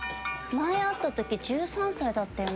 前会った時１３歳だったよね？